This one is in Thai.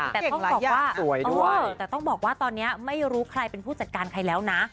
แต่ต้องบอกว่าสวยด้วยแต่ต้องบอกว่าตอนนี้ไม่รู้ใครเป็นผู้จัดการใครแล้วนะ